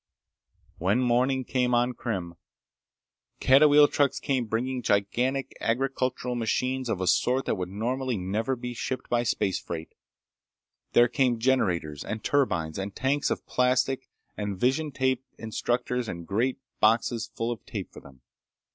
When morning came on Krim, catawheel trucks came bringing gigantic agricultural machines of a sort that would normally never be shipped by space freight. There came generators and turbines and tanks of plastic, and vision tape instructors and great boxes full of tape for them.